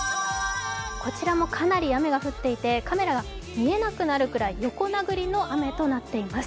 こちらもかなり雨が降っていてカメラが見えなくなるくらい横殴りの雨となっています。